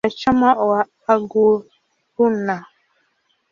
Ni mwanachama wa "Aguaruna".